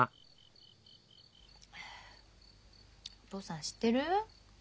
お父さん知ってる？